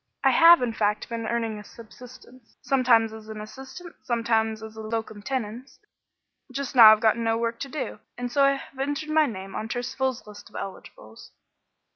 I have, in fact, been earning a subsistence, sometimes as an assistant, sometimes as a locum tenens. Just now I've got no work to do, and so have entered my name on Turcival's list of eligibles."